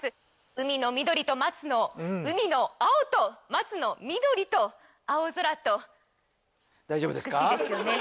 海の緑と松の海の青と松の緑と青空と美しいですよね